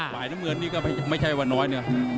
ขวายน้ำเงินนี่ก็ไม่ใช่ว่าน้อยนะครับ